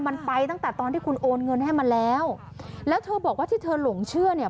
มันไปตั้งแต่ตอนที่คุณโอนเงินให้มาแล้วแล้วเธอบอกว่าที่เธอหลงเชื่อเนี่ย